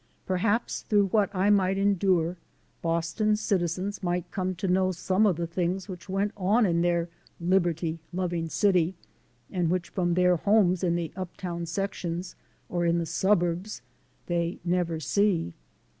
Perhaps through what I might endure, Boston's citizens might come to know some of the things which went on in their liberty loving city, and which from their homes in the uptown sections or in the suburbs they never see.